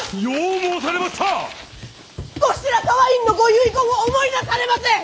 後白河院のご遺言を思い出されませ！